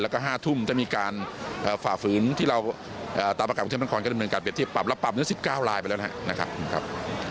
แล้วก็๕ทุ่มจะมีการฝ่าฝืนที่เราตามประกาศของเทพนักคลบก็เป็นการเปลี่ยนที่ปรับแล้วปรับ๑๙ลายไปแล้วนะครับ